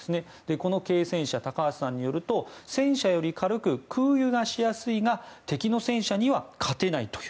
この軽戦車、高橋さんによると戦車より軽く空輸がしやすいが敵の戦車には勝てないという。